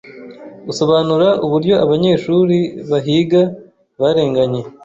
usobanura uburyo abanyeshuri bahiga barenganye